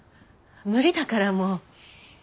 無理だからもう。